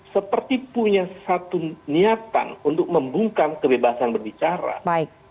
seperti punya satu niatan untuk membungkam kebebasan berbicara